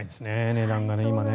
値段が今ね。